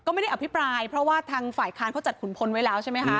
ก็ไม่ได้อภิปรายเพราะว่าทางฝ่ายค้านเขาจัดขุนพลไว้แล้วใช่ไหมคะ